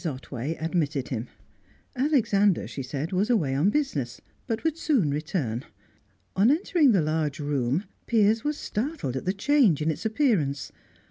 Otway admitted him; Alexander, she said, was away on business, but would soon return. On entering the large room, Piers was startled at the change in its appearance.